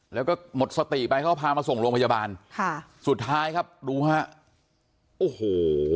แล้วก็หมดสติไปเขาก็พามาส่งโรงพยาบาลค่ะสุดท้ายครับดูฮะโอ้โห